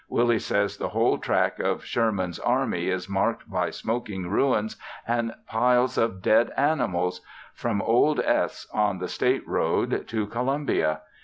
Willie says the whole track of Sherman's army is marked by smoking ruins and piles of dead animals, from old , on the State Road, to Columbia.